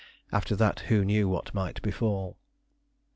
After that who knew what might befall?